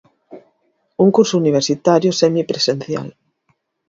Un curso universitario semipresencial.